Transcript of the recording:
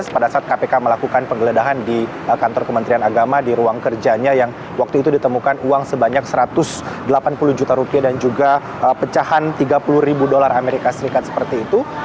pada saat kpk melakukan penggeledahan di kantor kementerian agama di ruang kerjanya yang waktu itu ditemukan uang sebanyak satu ratus delapan puluh juta rupiah dan juga pecahan tiga puluh ribu dolar amerika serikat seperti itu